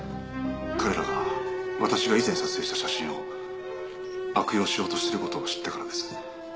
「彼らが私が以前撮影した写真を悪用しようとしてる事を知ったからです」